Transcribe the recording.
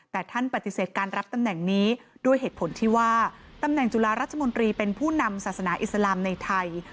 แต่ท่านปฏิเสธการรับตำแหน่งนี้ด้วยเหตุผลที่ว่าตำแหน่งจุฬารัฐมนตรีเป็นผู้นำศาสนาอิสลามในไทย